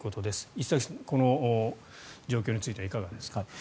石崎さん、この状況についてはいかがですか。